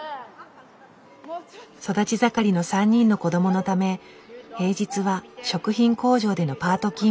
育ち盛りの３人の子供のため平日は食品工場でのパート勤務。